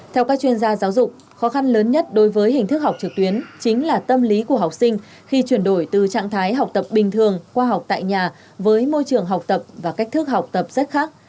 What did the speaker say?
theo các chuyên gia giáo dục khó khăn lớn nhất đối với hình thức học trực tuyến chính là tâm lý của học sinh khi chuyển đổi từ trạng thái học tập bình thường qua học tại nhà với môi trường học tập và cách thức học tập rất khác